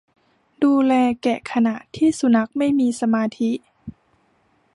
ดูแลแกะขณะที่สุนัขไม่มีสมาธิ